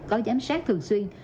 có giám sát thường xuyên